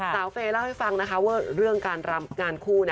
เฟย์เล่าให้ฟังนะคะว่าเรื่องการรำงานคู่